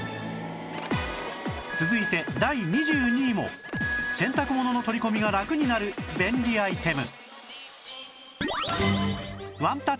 続いて第２２位も洗濯物の取り込みがラクになる便利アイテム